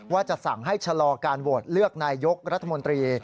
ว่าจะสั่งให้ชะลอการโหวตเลือกนายยกรัฐมนตรี